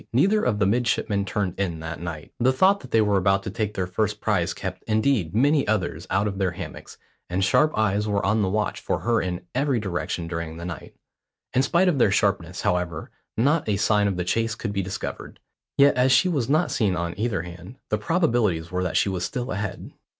Neither of the midshipmen turned in that night. The thought that they were about to take their first prize kept, indeed, many others out of their hammocks, and sharp eyes were on the watch for her in every direction during the night. In spite of their sharpness, however, not a sign of the chase could be discovered. Yet as she was not seen on either hand, the probabilities were that she was still ahead.